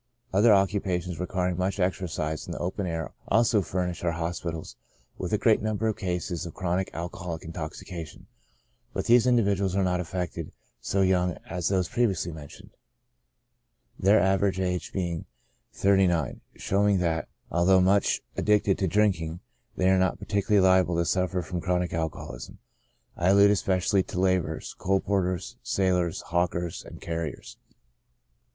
Other occupations requiring much exercise in the open air also furnish our hospitals with a great number of cases of chronic alcoholic intoxi cation, but these individuals are not affected so young as those previously mentioned, their average age being thirty nine, showing that, although much addicted to drinking, they are not particularly liable to suffer from chronic alcoholism. I allude especially to laborers, coal porters, sailors, hawkers, and carriers.